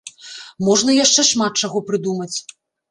Можна яшчэ шмат чаго прыдумаць.